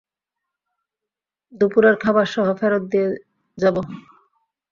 দুপুরের খাবারসহ ফেরত দিয়ে যাব।